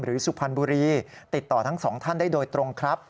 สุพรรณบุรีติดต่อทั้งสองท่านได้โดยตรงครับ